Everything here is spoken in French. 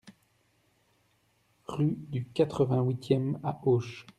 Rue du quatre-vingt-huitème à Auch